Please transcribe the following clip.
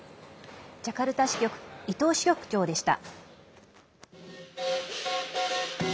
ジャカルタ支局伊藤支局長でした。